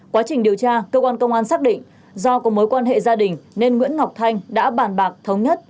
quá trình điều tra cơ quan công an xác định do có mối quan hệ gia đình nên nguyễn ngọc thanh đã bàn bạc thống nhất